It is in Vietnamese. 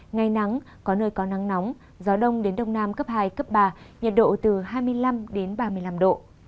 ngày nắng có nơi có nắng nóng gió đông đến đông nam cấp hai cấp ba nhiệt độ từ hai mươi năm ba mươi năm độ